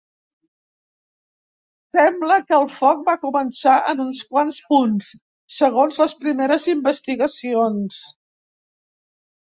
Sembla que el foc va començar en uns quants punts, segons les primeres investigacions.